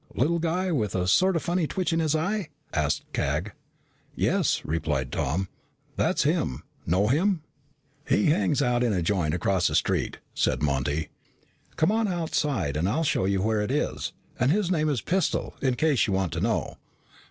"Little guy, with a sort of funny twitch in his eye?" asked Cag. "Yes," replied Tom. "That's him. Know him?" "He hangs out in a joint across the street," said Monty. "Come on outside. I'll show you where it is. And his name's Pistol, in case you want to know."